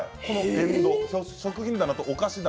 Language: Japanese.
食品棚とお菓子棚